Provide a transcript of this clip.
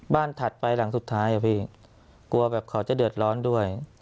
ถัดไปหลังสุดท้ายอะพี่กลัวแบบเขาจะเดือดร้อนด้วย